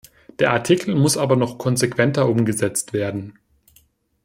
Der Artikel muss aber noch konsequenter umgesetzt werden.